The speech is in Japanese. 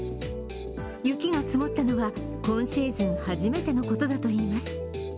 雪が積もったのは今シーズン初めてのことだといいます。